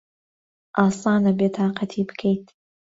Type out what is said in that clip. ئاسانە بێتاقەتی بکەیت.